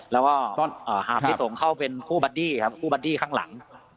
แล้วก็หากพี่ตงเข้าเป็นผู้บัดดี้ครับผู้บัดดี้ข้างหลัง